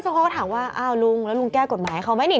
ซึ่งเขาก็ถามว่าอ้าวลุงแล้วลุงแก้กฎหมายให้เขาไหมนี่